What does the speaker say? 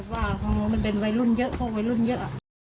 เหมือนว่ามันเป็นวัยรุ่นเยอะ